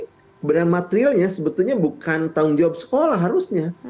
sebenarnya materialnya sebetulnya bukan tanggung jawab sekolah harusnya